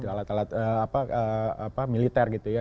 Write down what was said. alat alat militer gitu ya